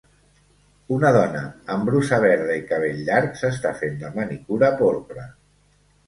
Una dona amb brusa verda i cabell llarg s'està fent la manicura porpra.